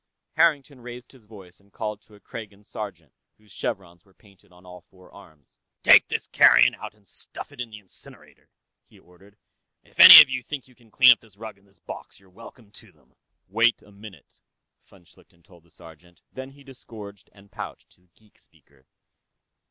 Harrington raised his voice and called to a Kragan sergeant whose chevrons were painted on all four arms. "Take this carrion out and stuff it in the incinerator," he ordered. "If any of you think you can clean up this rug and this box, you're welcome to them." "Wait a moment," von Schlichten told the sergeant. Then he disgorged and pouched his geek speaker.